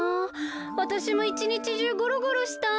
わたしもいちにちじゅうゴロゴロしたい。